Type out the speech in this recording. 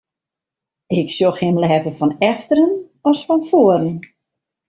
Ik sjoch him leaver fan efteren as fan foaren.